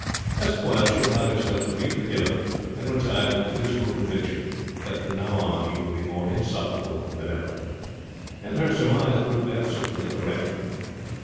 As it was, she allowed herself to be forgiven, and retired with a dismal conviction that from now on he would be more insufferable than ever. Her surmise proved absolutely correct.